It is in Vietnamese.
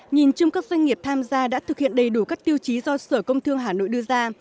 nhìn chung các doanh nghiệp tham gia đã thực hiện đầy đủ các tiêu chí do sở công thương hà nội đưa ra